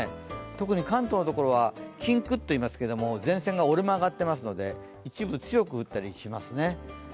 特に関東のところはキンクといいますが、前線が折れ曲がってますので、一部強く降ったりしますね。